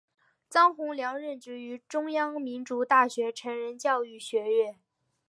张宏良任职于中央民族大学成人教育学院。